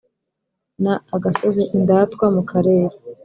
Na agasozi indatwa mu karere.